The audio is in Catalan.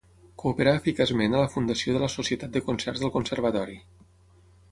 Cooperà eficaçment a la fundació de la Societat de Concerts del Conservatori.